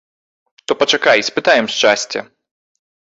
То пачакай, спытаем шчасця!